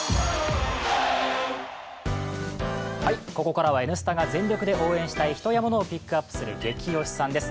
ここからは「Ｎスタ」が全力で応援したい人やものをピックアップする「ゲキ推しさん」です。